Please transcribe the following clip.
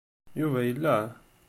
Yuba yella?